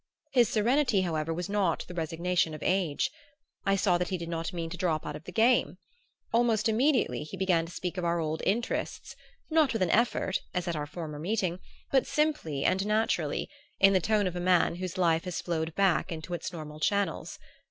His serenity, however, was not the resignation of age. I saw that he did not mean to drop out of the game. Almost immediately he began to speak of our old interests; not with an effort, as at our former meeting, but simply and naturally, in the tone of a man whose life has flowed back into its normal channels.